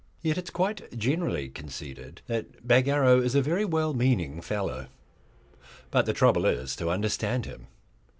Yet it is quite generally conceded that Bagarrow is a very well meaning fellow. But the trouble is to understand him.